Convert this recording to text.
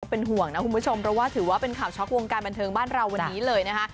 เป็นห่วงนะคุณผู้ชมเพราะว่าถือว่าเป็นข่าวช็อกวงการบันเทิงบ้านเราวันนี้เลยนะคะ